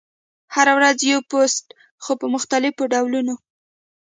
هره ورځ یو پوسټ، خو په مختلفو ډولونو: